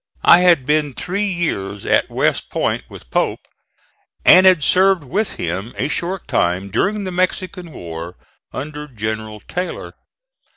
I had been three years at West Point with Pope and had served with him a short time during the Mexican war, under General Taylor.